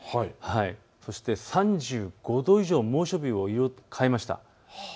そして３５度以上、猛暑日を色を変えました。